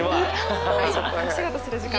お仕事する時間。